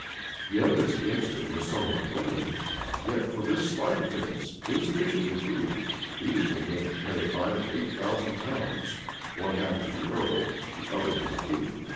The evidence against him was somewhat lame; yet for this slight offence, insufficiently proved, he was condemned to pay a fine of eight thousand pounds; one half to the earl, the other to the king.